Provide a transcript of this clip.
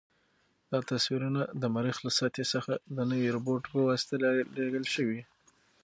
دا تصویرونه د مریخ له سطحې څخه د نوي روبوټ په واسطه رالېږل شوي.